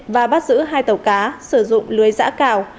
và bắt giữ hai tàu cá sử dụng lưới giã cào